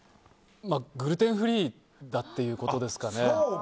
グルテンフリーだっていうことですかね。